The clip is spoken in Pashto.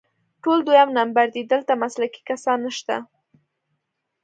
ټول دویم نمبر دي، دلته مسلکي کسان نشته